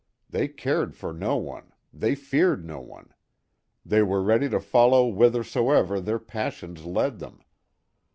They cared for no one, they feared no one. They were ready to follow whithersoever their passions led them.